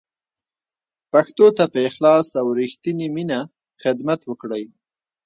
پښتو ته په اخلاص او رښتینې مینه خدمت وکړئ.